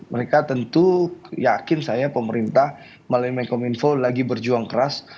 mereka tentu yakin saya pemerintah melalui kominfo lagi berjuang keras